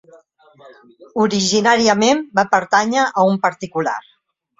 Originàriament va pertànyer a un particular.